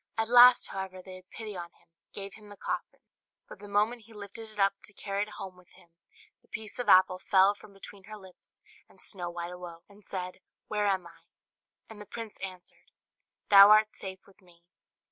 At last, however, they had pity on him, and gave him the coffin; but the moment he lifted it up to carry it home with him, the piece of apple fell from between her lips, and Snow White awoke, and said, "Where am I?" And the prince answered, "Thou art safe with me."